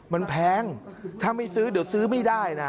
มันแพงถ้าไม่ซื้อเดี๋ยวซื้อไม่ได้นะ